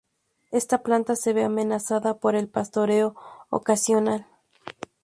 Esta planta se ve amenazada por el pastoreo ocasional.